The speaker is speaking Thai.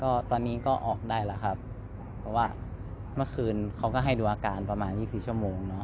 ก็ตอนนี้ก็ออกได้แล้วครับเพราะว่าเมื่อคืนเขาก็ให้ดูอาการประมาณยี่สิบสี่ชั่วโมงเนาะ